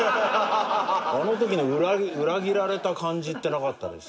あのときの裏切られた感じってなかったです。